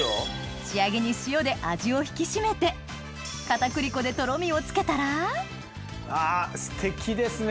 仕上げに塩で味を引き締めて片栗粉でとろみをつけたらステキですね